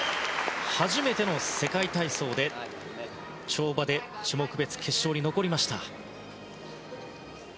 初めての世界体操で跳馬で種目別決勝に残りました。